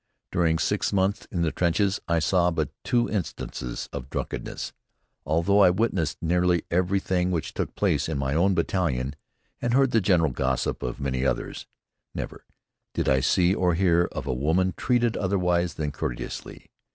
During six months in the trenches I saw but two instances of drunkenness. Although I witnessed nearly everything which took place in my own battalion, and heard the general gossip of many others, never did I see or hear of a woman treated otherwise than courteously.